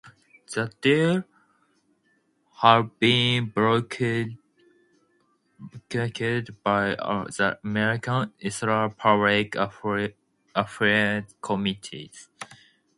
The deal had been brokered by the American Israel Public Affairs Committee.